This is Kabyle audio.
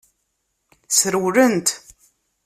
Srewlen-t.